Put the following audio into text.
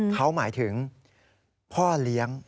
เขาหมายถึงพ่อเลี้ยง